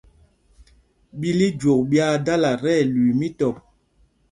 Ɓǐl íjwok ɓyaa dala tí ɛlüii mītɔp.